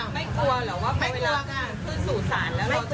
ไม่กลัวเหรอว่าเวลาคือสู่สารแล้วเราจะ